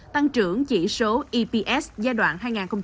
tăng trưởng chỉ số eps giai đoạn hai nghìn một mươi tám hai nghìn hai mươi hai